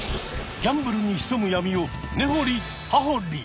ギャンブルに潜む闇をねほりはほり！